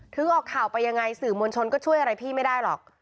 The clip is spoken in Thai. ออกข่าวไปยังไงสื่อมวลชนก็ช่วยอะไรพี่ไม่ได้หรอก